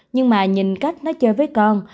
nhưng mà nhìn cách nó chơi với con